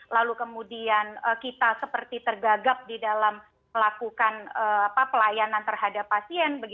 lalu kemudian kita seperti tergagap di dalam melakukan pelayanan terhadap pasien